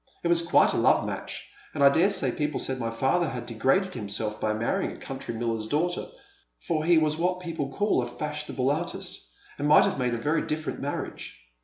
It was quite a love match, and I dare say people said my father had degraded himself by marry ing a country miller's daughter, for he was what people call a fashionable artist, and might have made a very different marriage.